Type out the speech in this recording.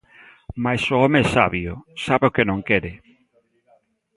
Mais o home é sabio: sabe o que non quere.